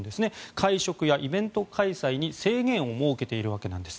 会食やイベント開催に制限を設けているわけなんです。